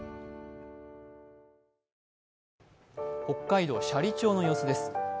北海道斜里町の様子です。